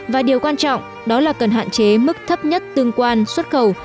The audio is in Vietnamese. và điều quan trọng đó là cần hạn chế mức thấp nhất tương quan xuất khẩu